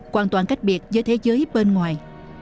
hoàn toàn cách biệt giữa thế giới bên ngoài